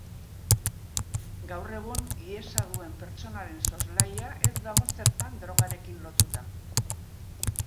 Gaur egun, hiesa duen pertsonaren soslaia ez dago zertan drogarekin lotuta.